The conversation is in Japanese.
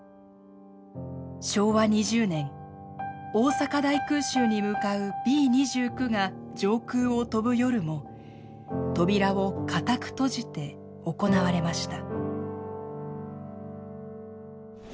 昭和２０年大阪大空襲に向かうＢ２９が上空を飛ぶ夜も扉を固く閉じて行われました。